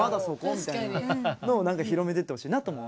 みたいなのを広めていってほしいなとも思う。